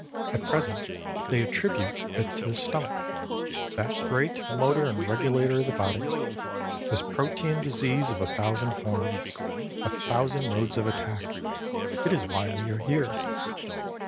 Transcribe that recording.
At present they attribute it to the stomach that great motor and regulator of the body this Protean disease of a thousand forms, a thousand modes of attack. It is why we are here.